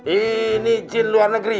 ini jin luar negeri